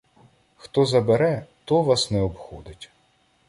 — Хто забере — то вас не обходить.